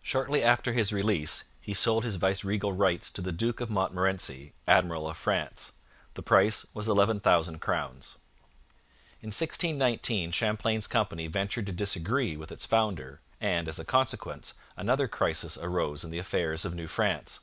Shortly after his release he sold his viceregal rights to the Duke of Montmorency, Admiral of France. The price was 11,000 crowns. In 1619 Champlain's company ventured to disagree with its founder, and, as a consequence, another crisis arose in the affairs of New France.